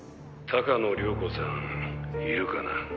「鷹野涼子さんいるかな？」